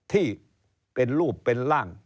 ที่เป็นรูปเป็นร่าง